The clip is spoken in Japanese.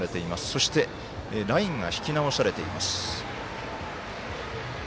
そして、ラインが引き直されています。